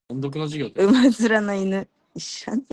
馬面の犬